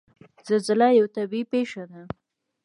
زلزله یوه طبعي پېښه ده.